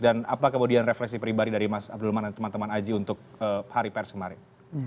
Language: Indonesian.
dan apa kemudian refleksi pribadi dari mas abdul maran dan teman teman aji untuk hari pers kemarin